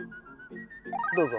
どうぞ。